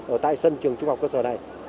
ở tại sân trường trung học cơ sở này